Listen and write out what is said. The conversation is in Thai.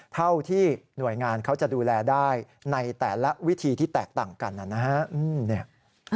เท่าที่หน่วยงานเขาจะดูแลได้ในแต่ละวิธีที่แตกต่างกันนะครับ